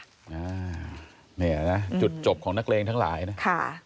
นี่แหละนะจุดจบของนักเรียงทั้งหลายนะ